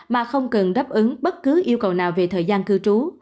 mà không cần đáp ứng bất cứ yêu cầu nào về thời gian cư trú